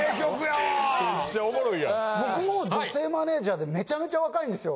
僕も女性マネジャーでめちゃめちゃ若いんですよ。